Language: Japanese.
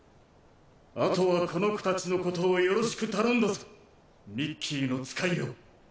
あとはこの子たちのことをよろしく頼んだぞミッキーの使いよ。